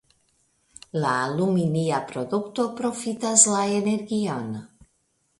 La aluminia produkto profitas la energion.